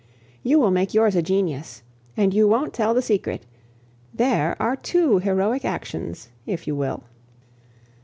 You will make yours a genius, and you won't tell the secret there are two heroic actions, if you will!